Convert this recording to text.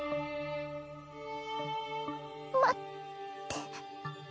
待って。